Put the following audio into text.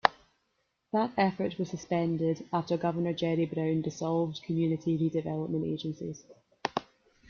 That effort was suspended after Governor Jerry Brown dissolved community redevelopment agencies.